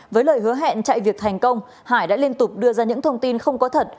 với lời hứa hẹn chạy việc thành công hải đã liên tục đưa ra những thông tin không có thật